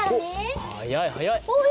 はやいはやい。